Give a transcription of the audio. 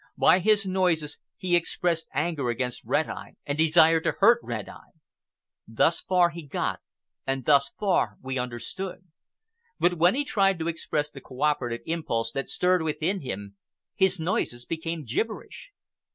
By his noises he expressed anger against Red Eye and desire to hurt Red Eye. Thus far he got, and thus far we understood. But when he tried to express the cooperative impulse that stirred within him, his noises became gibberish.